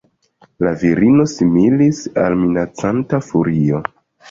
La virino similis al minacanta furio.